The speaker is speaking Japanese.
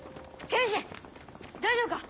大丈夫か！